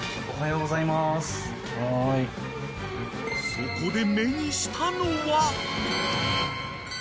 ［そこで］